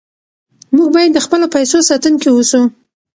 موږ باید د خپلو پیسو ساتونکي اوسو.